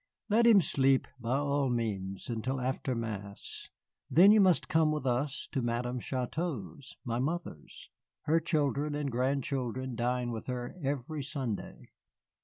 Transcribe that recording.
"Let him sleep, by all means, until after Mass. Then you must come with us to Madame Chouteau's, my mother's. Her children and grandchildren dine with her every Sunday."